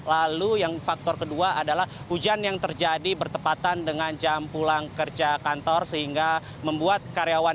lalu yang faktor kedua adalah hujan yang terjadi bertepatan dengan jam pulang kerja kantor sehingga membuat karyawan